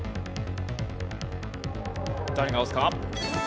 誰が押すか？